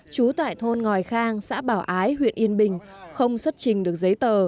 trú tại thôn ngòi khang xã bảo ái huyện yên bình không xuất trình được giấy tờ